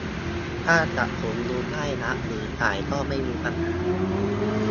ถ้าจัดสมดุลได้รับหรือจ่ายก็ไม่มีปัญหา